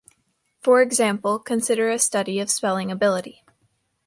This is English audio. For example, consider a study of spelling ability.